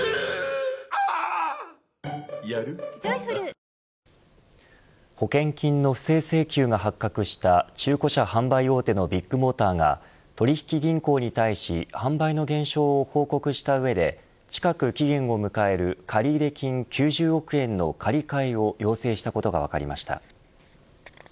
新しくなった保険金の不正請求が発覚した中古車販売大手のビッグモーターが取引銀行に対し販売の減少を報告した上で近く期限を迎える借入金９０億円の借り換えを要請したことが分かりました。